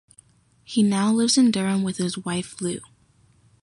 He now lives in Durham with his wife Lou.